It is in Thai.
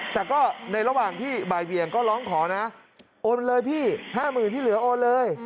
แต่ก็ในระหว่างที่บ่ายเวียงก็ร้องขอนะโอนเลยพี่๕๐๐๐ที่เหลือโอนเลย